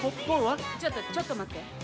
ちょっと待って。